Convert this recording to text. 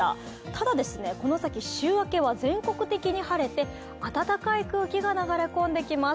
ただ、この先週明けは全国的に晴れて、温かい空気が流れ込んできます。